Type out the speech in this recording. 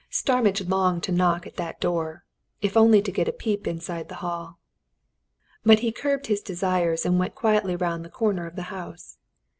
Starmidge longed to knock at that door if only to get a peep inside the hall. But he curbed his desires and went quietly round the corner of the house.